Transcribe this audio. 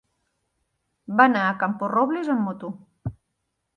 Va anar a Camporrobles amb moto.